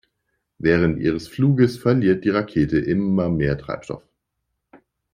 Während ihres Fluges verliert die Rakete immer mehr Treibstoff.